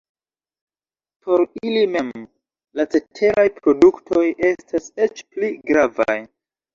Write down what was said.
Por ili mem la ceteraj produktoj estas eĉ pli gravaj.